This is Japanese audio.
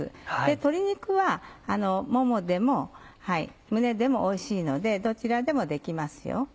鶏肉はももでも胸でもおいしいのでどちらでもできますよ。